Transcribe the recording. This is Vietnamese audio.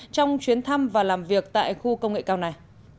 trong chuyến thăm và làm việc tại khu công nghệ cao này